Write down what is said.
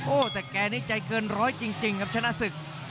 โอ้โหแต่แกนี่ใจเกินร้อยจริงครับชนะศึก